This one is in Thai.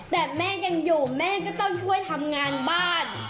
แต่แม่ยังอยู่แม่ก็ต้องช่วยทำงานบ้าน